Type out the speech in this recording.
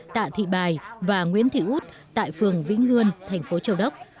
tạ thị bài và nguyễn thị út tại phường vĩnh ngươn thành phố châu đốc